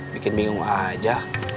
bikin bingung aja